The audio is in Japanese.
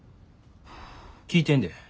聞いてんで。